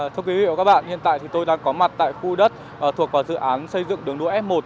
thưa quý vị và các bạn hiện tại thì tôi đang có mặt tại khu đất thuộc vào dự án xây dựng đường đua f một